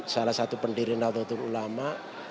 salah satu pendiri ndawat tuntun ulama